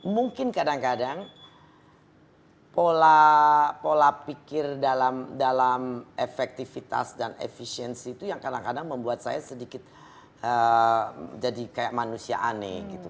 mungkin kadang kadang pola pikir dalam efektivitas dan efisiensi itu yang kadang kadang membuat saya sedikit jadi kayak manusia aneh gitu